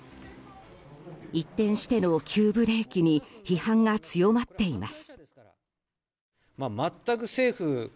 一転しての急ブレーキに批判が強まっています。